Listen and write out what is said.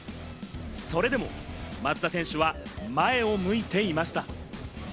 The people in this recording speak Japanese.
それでも松田選手は前を向いていました。